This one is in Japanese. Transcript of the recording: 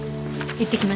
いってきます。